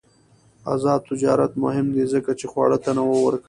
آزاد تجارت مهم دی ځکه چې خواړه تنوع ورکوي.